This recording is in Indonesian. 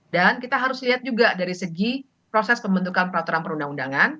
dan kita harus lihat juga dari segi proses pembentukan peraturan perundang undangan